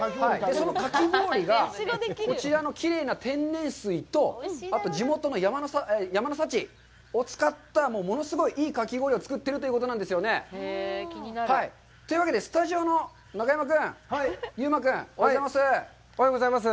そのかき氷がこちらのきれいな天然水と、あと地元の山の幸を使った物すごいいいかき氷を作ってるということなんですよねえ。というわけでスタジオの中山君、優馬君、おはようございます。